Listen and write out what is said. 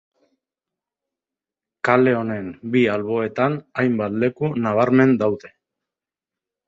Kale honen bi alboetan hainbat leku nabarmen daude.